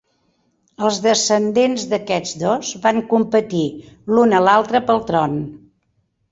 Els descendents d'aquests dos van competir l'un a l'altre pel tron.